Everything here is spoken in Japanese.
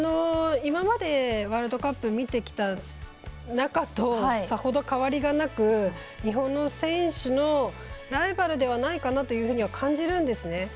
今までワールドカップを見てきた中とさほど変わりがなく日本の選手のライバルではないかなと感じるんですね。